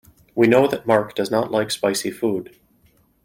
We know that Mark does not like spicy food.